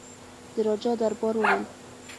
د راجا دربار وویل.